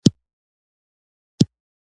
خوړل د روغتیا ساتنه ده